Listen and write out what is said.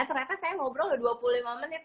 ternyata saya ngobrol dua puluh lima menit